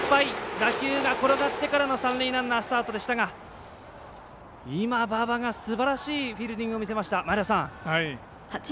打球が転がってからの三塁ランナースタートでしたが今、馬場がすばらしいフィールディングを見せました。